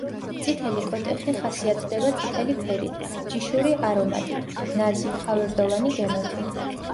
წითელი „კოტეხი“ ხასიათდება წითელი ფერით, ჯიშური არომატით, ნაზი, ხავერდოვანი გემოთი.